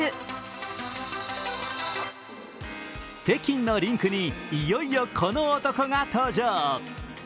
北京のリンクにいよいよこの男が登場。